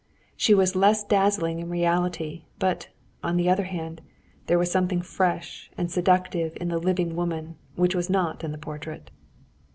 She was less dazzling in reality, but, on the other hand, there was something fresh and seductive in the living woman which was not in the portrait.